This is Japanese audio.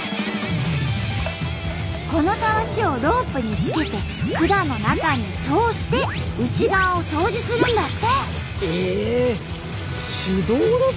このタワシをロープにつけて管の中に通して内側を掃除するんだって！